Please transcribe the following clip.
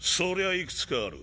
いくつかある。